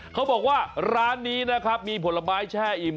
เขาบอกว่าร้านนี้นะครับมีผลไม้แช่อิ่ม